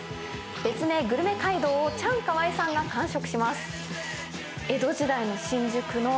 別名・グルメ街道をチャンカワイさんが完食します。